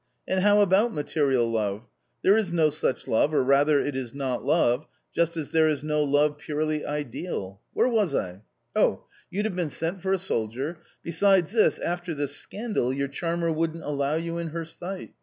And how about material love ? There is no such love, or rather it is not love, just as there is no love purely ideal. Where was I ?.... oh, you'd been sent for a soldier ; besides this, after this scandal your charmer wouldn't allow you in her sight.